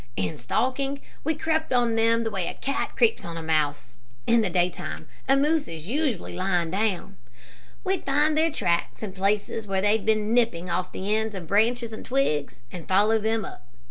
"In stalking, we crept on them the way a cat creeps on a mouse. In the daytime a moose is usually lying down. We'd find their tracks and places where they'd been nipping off the ends of branches and twigs, and follow them up.